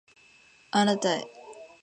あなたへ